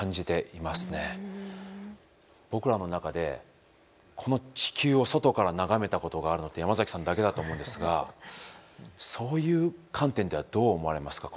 僕らの中でこの地球を外から眺めたことがあるのって山崎さんだけだと思うんですがそういう観点ではどう思われますか？